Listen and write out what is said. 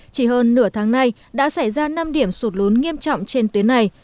chỉ hơn nửa tháng nay đã xảy ra năm điểm sụt lún nghiêm trọng trên tuyến này